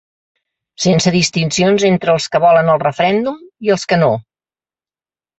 Sense distincions entre els que volen el referèndum i els que no.